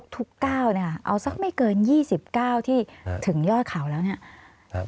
ทุกก้าวเนี่ยเอาสักไม่เกิน๒๐ก้าวที่ถึงยอดเขาแล้วเนี่ย